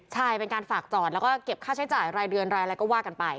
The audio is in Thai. ใช่เป็นการฝากจอดแล้วก็เก็บค่าใช้จ่ายรายเดือนรายอะไรก็ว่ากันไป